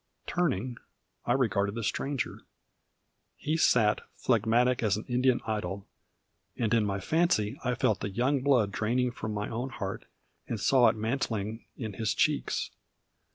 Turning, I regarded the Stranger. He sat phlegmatic as an Indian idol; and in my fancy I felt the young blood draining from my own heart, and saw it mantling in his cheeks.